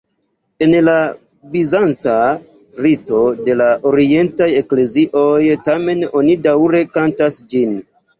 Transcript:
En la bizanca rito de la orientaj eklezioj tamen oni daŭre kantas ĝin.